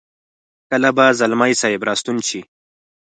کله به ځلمی صاحب را ستون شي.